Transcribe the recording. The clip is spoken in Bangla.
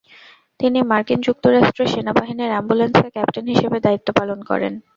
তিনি মার্কিন যুক্তরাষ্ট্রের সেনাবাহিনীর অ্যাম্বুলেন্সের ক্যাপ্টেন হিসেবে দায়িত্ব পালন করেন।